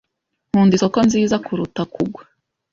Nkunda isoko nziza kuruta kugwa.